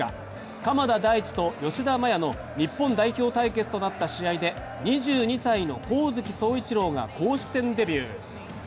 鎌田大地と吉田麻也の日本代表対決となった試合で２２歳の上月壮一郎が公式戦デビュー。